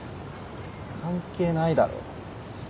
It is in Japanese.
関係ないだろ。